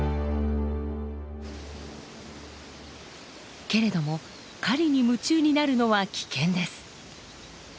けれども狩りに夢中になるのは危険です。